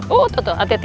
uh tuh tuh hati hati